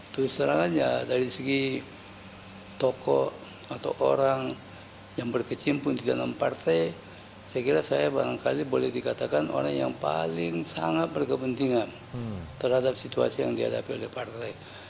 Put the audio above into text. terus terang aja dari segi toko atau orang yang berkecimpung di dalam partai saya kira saya barangkali boleh dikatakan orang yang paling sangat berkepentingan terhadap situasi yang dihadapi oleh partai